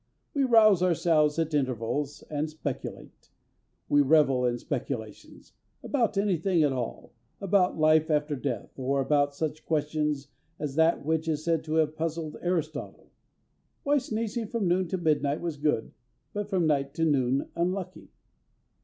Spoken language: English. We rouse ourselves at intervals and speculate. We revel in speculations about anything at all about life after death or about such questions as that which is said to have puzzled Aristotle, "why sneezing from noon to midnight was good, but from night to noon unlucky."